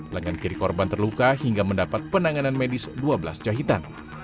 lengan kiri korban terluka hingga mendapat penanganan medis dua belas jahitan